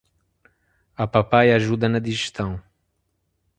A papaya ajuda na digestão.